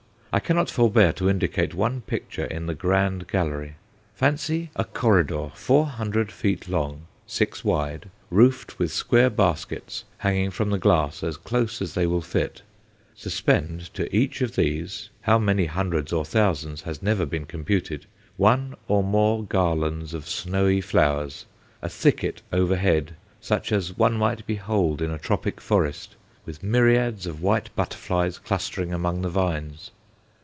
I cannot forbear to indicate one picture in the grand gallery. Fancy a corridor four hundred feet long, six wide, roofed with square baskets hanging from the glass as close as they will fit. Suspend to each of these how many hundreds or thousands has never been computed one or more garlands of snowy flowers, a thicket overhead such as one might behold in a tropic forest, with myriads of white butterflies clustering amongst the vines.